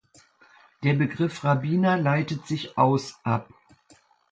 Der Begriff "Rabbiner" leitet sich aus ab.